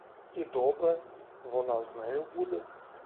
І добре — вона з нею буде.